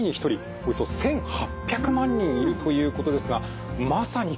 およそ１，８００万人いるということですがまさに国民病といえますよね。